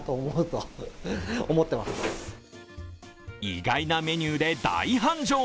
意外なメニューで大繁盛。